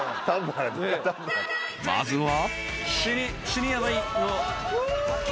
［まずは］